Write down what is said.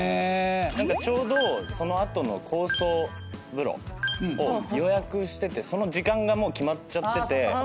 ちょうどその後の酵素風呂を予約しててその時間がもう決まっちゃってて。